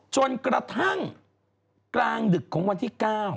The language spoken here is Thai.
จนกระทั่งกลางดึกของวันที่๙